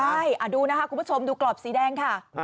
ใช่ดูนะคะคุณผู้ชมดูกรอบสีแดงค่ะ